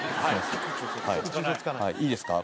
いいですか？